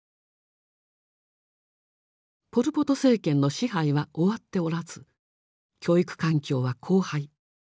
ポル・ポト政権の支配は終わっておらず教育環境は荒廃。